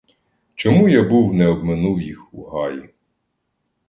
Чому я був не обминув їх у гаї?!